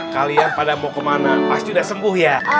kalian pada mau kemana pasti udah sembuh ya